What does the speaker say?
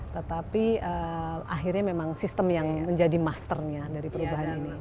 tetapi akhirnya memang sistem yang menjadi masternya dari perubahan ini